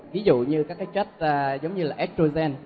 ví dụ như các cái chất giống như là estrogen